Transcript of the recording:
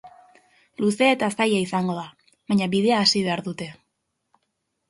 Luzea eta zaila izango da, baina bidea hasi behar dute.